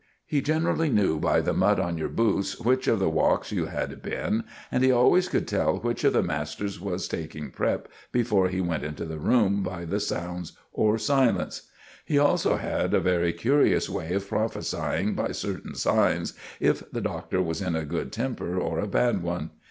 He generally knew by the mud on your boots which of the walks you had been, and he always could tell which of the masters was taking 'prep' before he went into the room, by the sounds or silence. He also had a very curious way of prophesying by certain signs if the Doctor was in a good temper or a bad one.